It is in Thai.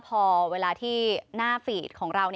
พอเวลาที่หน้าฟีดของเรา